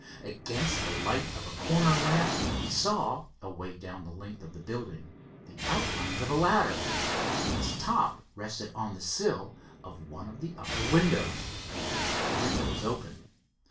Against the light of a corner lamp, he saw, away down the length of the building, the outlines of a ladder. Its top rested on the sill of one of the upper windows. The window was open.